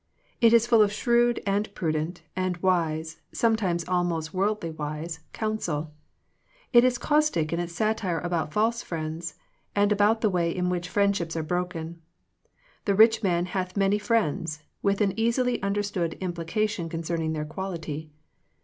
It is full of shrewd, and prudent, and wise, some times almost worldly wise, counsel. It is caustic in its satire about false friends, and about the way in which friendships are broken. *'The rich hath many friends," with an easily understood im plication concerning their quality.